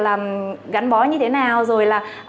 làm gắn bó như thế nào rồi là